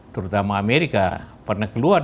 terutama amerika pernah keluar